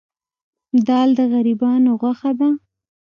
دال د غریبانو غوښه ده.